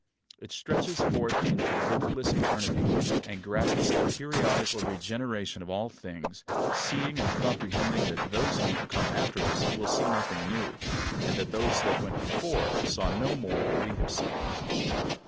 It stretches forth into limitless eternity, and grasps the periodical regeneration of all things, seeing and comprehending that those who come after us will see nothing new, and that those that went before saw no more than we have seen.